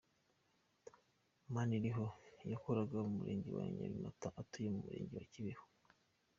Maniriho yakoraga mu murenge wa Nyabimata atuye mu murenge wa Kibeho.